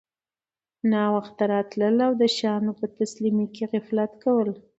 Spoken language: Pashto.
ناوخته راتلل او د شیانو په تسلیمۍ کي غفلت کول